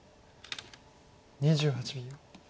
２８秒。